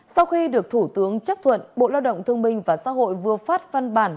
sau khi được thủ tướng chấp thuận bộ lao động thương minh và xã hội vừa phát phân bản